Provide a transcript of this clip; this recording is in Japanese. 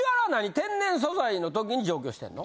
天然素材のときに上京してんの？